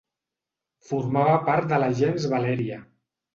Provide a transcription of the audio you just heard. Formava part de la gens Valèria.